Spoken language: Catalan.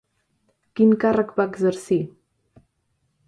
Quin càrrec va exercir?